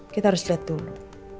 kita harus lihat dulu